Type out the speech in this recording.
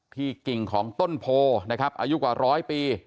ที่กิ่งของต้นโพอายุกว่าร้อยปี